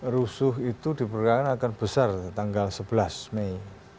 rusuh itu diperkirakan akan besar tanggal sebelas mei